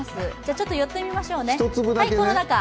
ちょっと寄ってみましょうね。